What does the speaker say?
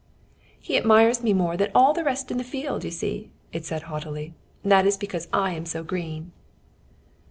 "He admires me more than all the rest in the field, you see," it said, haughtily. "That is because I am so green."